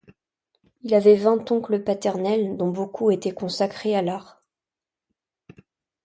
Il avait vingt oncles paternels, dont beaucoup étaient consacrés à l'art.